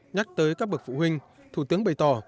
nhắc tới các bậc phụ huynh thủ tướng bày tỏ